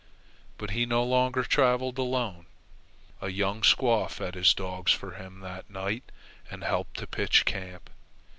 But he no longer travelled alone. A young squaw fed his dogs for him that night and helped to pitch camp.